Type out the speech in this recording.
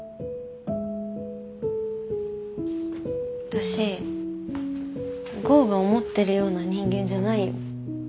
私剛が思ってるような人間じゃないよ。